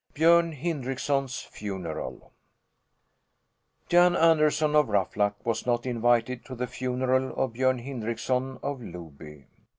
BJÖRN HINDRICKSON'S FUNERAL Jan Anderson of Ruffluck was not invited to the funeral of Björn Hindrickson of Loby.